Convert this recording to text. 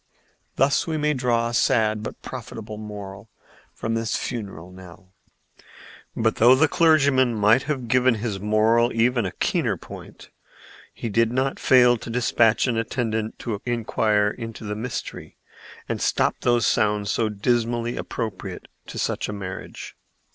Thus we may draw a sad but profitable moral from this funeral knell." But, though the clergyman might have given his moral even a keener point, he did not fail to despatch an attendant to inquire into the mystery and stop those sounds so dismally appropriate to such a marriage.